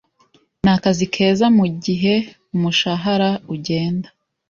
Ni akazi keza, mugihe umushahara ugenda.